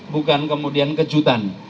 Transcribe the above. bukan kemudian kejutan